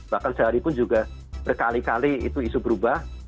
bahkan sehari pun juga berkali kali itu isu berubah